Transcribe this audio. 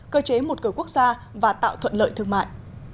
cơ chế một cửa quốc gia và tạo thuận lợi thương mại